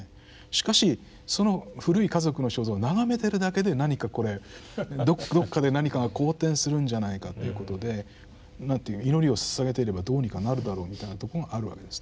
しかしその古い家族の肖像を眺めてるだけで何かこれどっかで何かが好転するんじゃないかということでなんて言う祈りをささげてればどうにかなるだろうみたいなとこがあるわけですね。